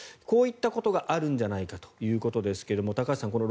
こういったことがあるんじゃないかということですが高橋さん